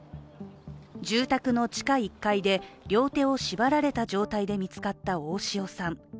住宅の地下１階で、両手を縛られた状態で見つかった大塩さん。